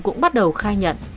cũng bắt đầu khai nhận